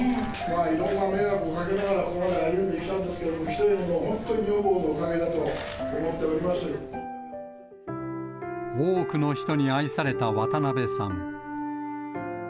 いろいろと迷惑をかけながらここまで歩んできたんですけど、ひとえに本当に女房のおかげだと多くの人に愛された渡辺さん。